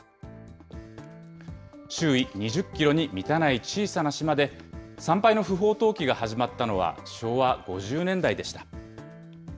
周囲２０キロに満たない小さな島で、産廃の不法投棄が始まったのは、昭和５０年代でした。